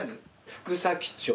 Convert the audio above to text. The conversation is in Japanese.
福崎町。